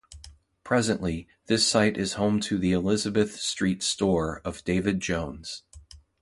Presently, this site is home to the Elizabeth Street store of David Jones.